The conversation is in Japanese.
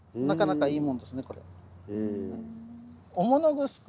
なかなかいいものですねこれ。